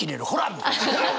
みたいな。